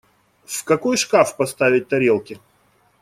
В какой шкаф поставить тарелки?